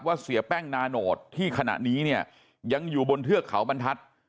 เสียแป้งนาโนตที่ขณะนี้เนี่ยยังอยู่บนเทือกเขาบรรทัศน์